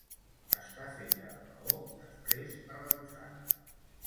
Està feta de maó després arrebossat.